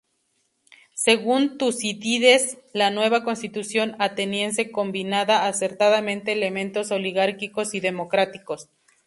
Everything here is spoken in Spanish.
Según Tucídides, la nueva constitución ateniense combinaba acertadamente elementos oligárquicos y democráticos.